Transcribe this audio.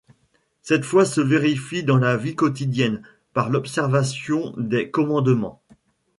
Cette foi se vérifie dans la vie quotidienne, par l'observation des commandements.